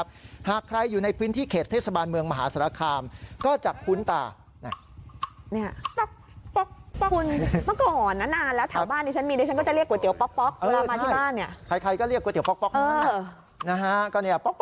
ใช่ใครก็เรียกก๋วยเตี๋ยวป๊อกป๊อก